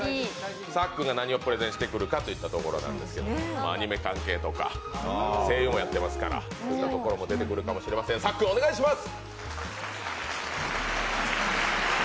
さっくんが何をプレゼンしてくるかといったところですが、アニメ関係とか声優もやっていますから、そういったところも出てくるかもしれません、さっくん、お願いします。